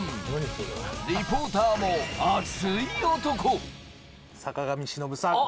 リポーターもアツい男！